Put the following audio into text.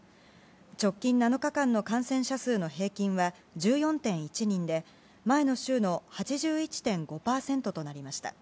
直近７日間の感染者数の平均は１４．１人で前の週の８１．５％となりました。